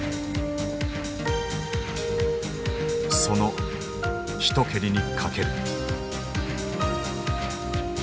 その一蹴りにかける。